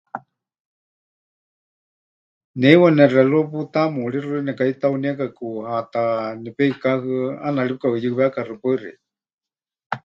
Ne heiwa nereloj putamuuríxɨ nekaheitauniekaku, haáta nepeikáhɨa, ʼaana ri pɨkaʼuyɨwékaxɨa. Paɨ xeikɨ́a.